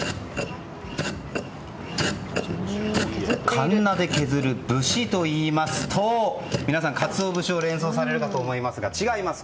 かんなで削る節といいますと皆さん、カツオ節を連想されるかと思いますが違います。